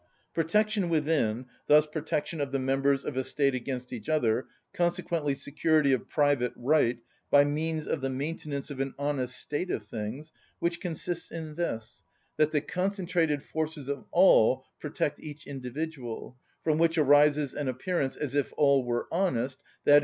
Protection within, thus protection of the members of a State against each other, consequently security of private right, by means of the maintenance of an honest state of things, which consists in this, that the concentrated forces of all protect each individual, from which arises an appearance as if all were honest, _i.